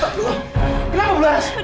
aku bawa aja mau kesini